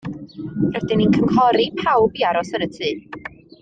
Rydyn ni'n cynghori pawb i aros yn y tŷ.